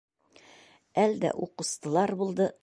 Әлдә у ҡустылар булды!